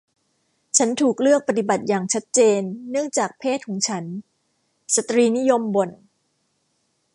ฉันถูกเลือกปฏิบัติอย่างชัดเจนเนื่องจากเพศของฉันสตรีนิยมบ่น